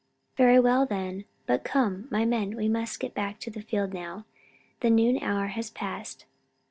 "Very well, then. But come, my men, we must get back to the field now. The noon hour has passed."